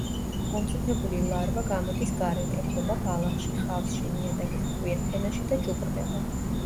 მომწიფებული ლარვა გამოდის გარეთ, ეფლობა ბალახში, ხავსში, ნიადაგის ფხვიერ ფენაში და ჭუპრდება.